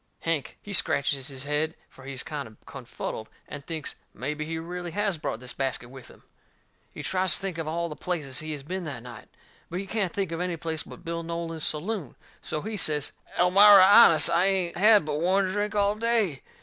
Hank, he scratches his head, for he's kind o' confuddled, and thinks mebby he really has brought this basket with him. He tries to think of all the places he has been that night. But he can't think of any place but Bill Nolan's saloon. So he says: "Elmira, honest, I ain't had but one drink all day."